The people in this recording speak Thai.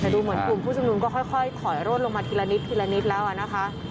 เดี๋ยวดูเหมือนกลุ่มผู้ชมนุมก็ค่อยถอยรถลงมาทีละนิดแล้วอ่ะนะคะ